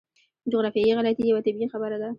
جغرافیایي غلطي یوه طبیعي خبره ده.